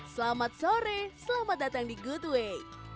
selamat sore selamat datang di goodway